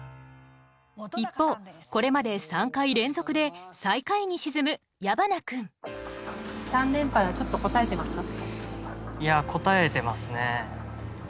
一方これまで３回連続で最下位に沈む矢花君３連敗はちょっと堪えてますか？